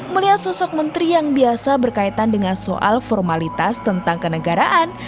melihat sosok menteri yang biasa berkaitan dengan soal formalitas tentang kenegaraan